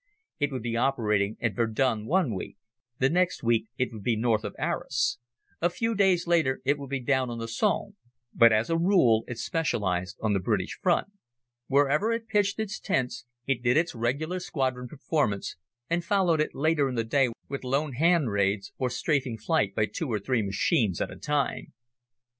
It would be operating at Verdun one week. The next week it would be north of Arras. A few days later it would be down on the Somme. But as a rule it specialized on the British front. Wherever it pitched its tents it did its regular squadron performance, and followed it later in the day with lone hand raids, or "strafing" flight by two or three machines at a time.